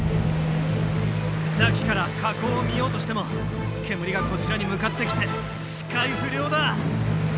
さっきから火口を見ようとしても煙がこちらに向かってきて視界不良だ！